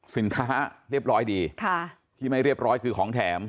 เรียบร้อยดีที่ไม่เรียบร้อยคือของแถม